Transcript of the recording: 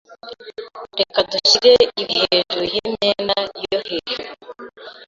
Reka dushyire ibi hejuru yimyenda yo hejuru.